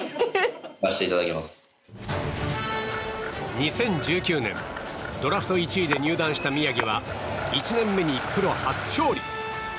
２０１９年、ドラフト１位で入団した宮城は１年目にプロ初勝利。